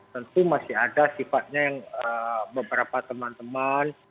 tentu masih ada sifatnya yang beberapa teman teman